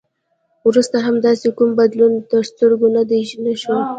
وروسته هم داسې کوم بدلون تر سترګو نه شو.